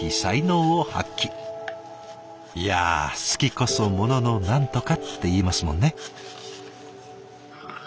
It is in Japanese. いや好きこそものの何とかって言いますもんね。